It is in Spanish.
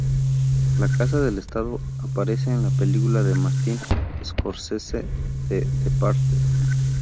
La Casa del Estado aparece en la película de Martin Scorsese "The Departed".